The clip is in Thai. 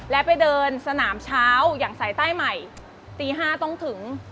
และไปเดินสนามเช้าอย่างสายใต้ใหม่ตี๕ต้องถึง